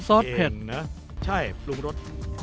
ซอสเพ็ด